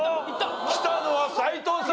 きたのは斎藤さん。